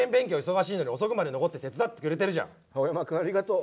青山君ありがとう！